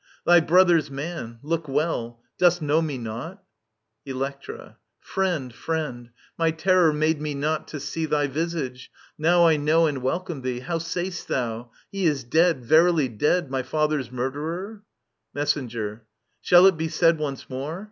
Thy brother's man. Look well. Dost know me not ? Digitized by VjOOQIC 52 EURIPIDES Elkctra. Friend, friend ; my terror made me not to see Thy visage. Now I know and welcome thee. How sayst thou ? He is dead, verily dead, My Other's murderer •••? Messbngbil Shall it be said Once more